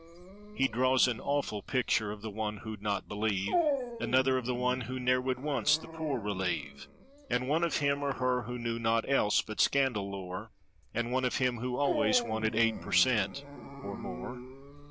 He draws an awful picture of the one who'd not believe; Another of the one who ne'er would once the poor relieve; And one of him or her who knew naught else but scandal lore; And one of him who always wanted eight per cent, or more.